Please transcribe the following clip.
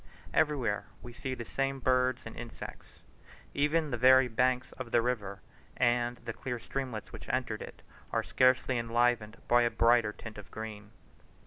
Everywhere we see the same birds and insects. Even the very banks of the river and of the clear streamlets which entered it, were scarcely enlivened by a brighter tint of green.